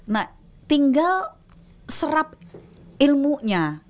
nah tinggal serap ilmunya